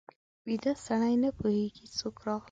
ویده سړی نه پوهېږي څوک راغلل